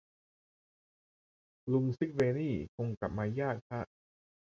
ลุงซิคเว่นี่คงกลับมายากฮะ